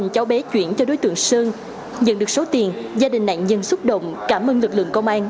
cháu bé chuyển cho đối tượng sơn nhận được số tiền gia đình nạn nhân xúc động cảm ơn lực lượng công an